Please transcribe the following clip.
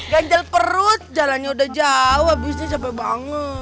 ganjal perut jalannya udah jauh abis ini capek banget